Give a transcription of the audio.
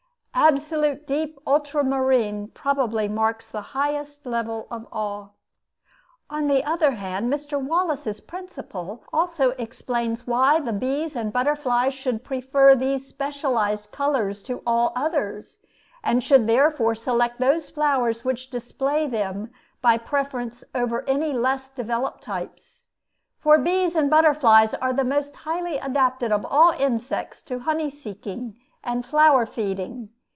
Absolute deep ultramarine probably marks the highest level of all. On the other hand, Mr. Wallace's principle also explains why the bees and butterflies should prefer these specialized colors to all others, and should therefore select those flowers which display them by preference over any less developed types; for bees and butterflies are the most highly adapted of all insects to honey seeking and flower feeding.